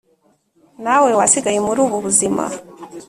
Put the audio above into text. na we wasigaye muri ubu buzima